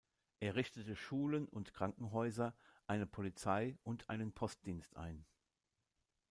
Er richtete Schulen und Krankenhäuser, eine Polizei und einen Postdienst ein.